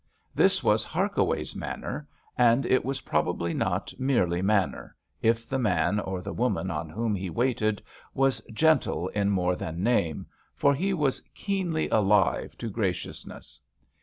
This was 12 HARKAWAY ■ Harkaway's manner, and it was probably not merely manner, if the man or the woman on whom he waited was gently in more than name, for he was keenly alive to graciousness.